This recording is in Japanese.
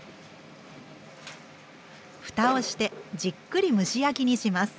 ふたをしてじっくり蒸し焼きにします。